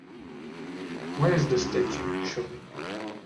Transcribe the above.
when is The Statue showing